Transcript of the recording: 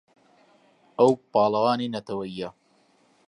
ئەو پاڵەوانی نەتەوەیییە.